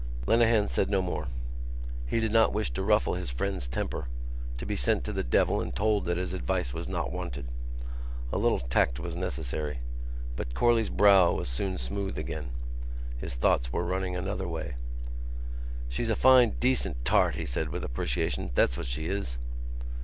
Lenehan said no more. He did not wish to ruffle his friend's temper, to be sent to the devil and told that his advice was not wanted. A little tact was necessary. But Corley's brow was soon smooth again. His thoughts were running another way. "She's a fine decent tart," he said, with appreciation; "that's what she is."